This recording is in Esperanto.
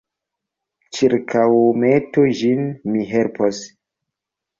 Ĉirkaŭmetu ĝin; mi helpos.